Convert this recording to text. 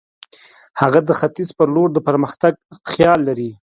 هغه د ختیځ پر لور د پرمختګ خیال لري.